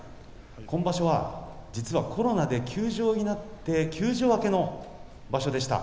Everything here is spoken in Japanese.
今場所は実はコロナで休場になって休場明けの場所でした。